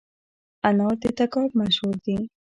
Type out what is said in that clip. انار د تګاب مشهور دي